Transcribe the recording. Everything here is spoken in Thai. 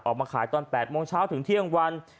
ออกมาขายตอน๘โมงเช้าถึงเที่ยงวัน